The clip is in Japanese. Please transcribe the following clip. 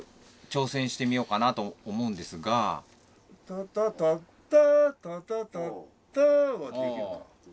タタタッタータタタッターはできるか。